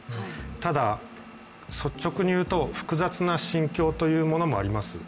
ただ率直に言うと複雑な心境というのもあります。